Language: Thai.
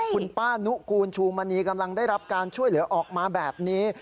คุณป้านุกูลชูมณีกำลังได้รับการช่วยเหลือออกมาแบบนี้